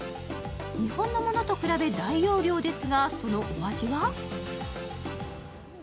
日本のものと比べ大容量ですが、そのお味は？